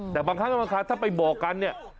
แต่บางครั้งบางครั้งถ้าไปบอกกันเนี่ย